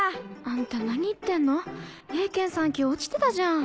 あんた何言ってんの英検３級落ちてたじゃん。